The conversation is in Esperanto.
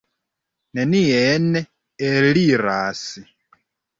Nenien eliras.